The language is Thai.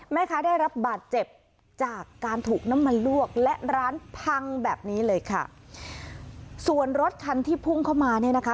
แม่ค้าได้รับบาดเจ็บจากการถูกน้ำมันลวกและร้านพังแบบนี้เลยค่ะส่วนรถคันที่พุ่งเข้ามาเนี่ยนะคะ